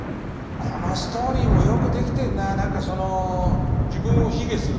このストーリーもよくできてんな。